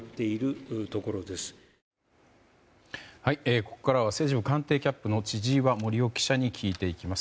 ここからは政治部官邸キャップの千々岩森生記者に聞いていきます。